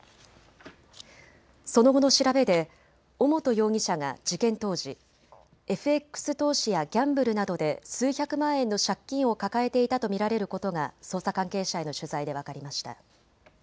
その後の調べで尾本容疑者が事件当時、ＦＸ投資やギャンブルなどで数百万円の借金を抱えていたと見られることが捜査関係者への取材で分かりました。